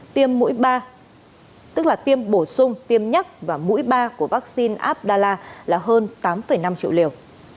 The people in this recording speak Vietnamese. tiêm mũi ba tức là tiêm bổ sung tiêm nhắc và mũi ba của vaccine apdala là hơn tám năm triệu liều